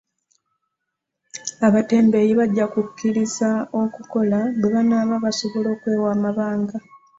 Abatembeeyi bajja kukkiriza okukola banaaba basobola okwewa amabanga.